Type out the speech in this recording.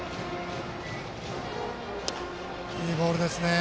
いいボールですね。